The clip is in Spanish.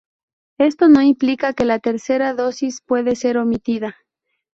Esto no implica que la tercera dosis puede ser omitida.